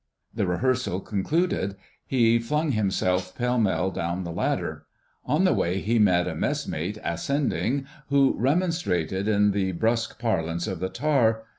The rehearsal concluded, he flung himself pell mell down the ladder. On the way he met a messmate ascending, who remonstrated in the brusque parlance of the tar.